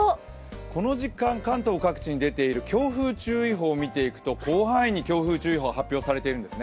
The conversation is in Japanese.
この時間関東各地に出ている強風注意報を見ていくと広範囲に強風注意報が発表されているんですね。